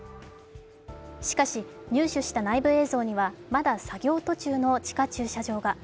しかし、入手した内部映像にはまだ作業途中の地下駐車場が。